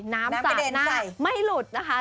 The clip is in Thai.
น้ำสาปหน้าไม่หลุดนะคะ